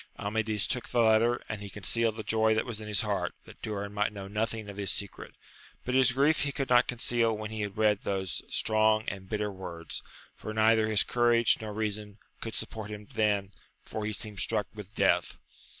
Amadis took the letter, and he concealed the joy that was in his heart, that Durin might know nothing of AMADIS OF GAUL. 265 his secret ; but his grief he could not conceal when he had read those strong and bitter words, for neither his courage nor reason could support him then, for he seemed struck with death.